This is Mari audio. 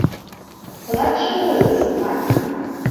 Тылат шым ойлыс, ман.